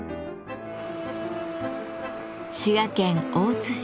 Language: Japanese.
滋賀県大津市。